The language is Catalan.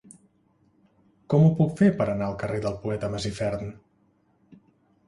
Com ho puc fer per anar al carrer del Poeta Masifern?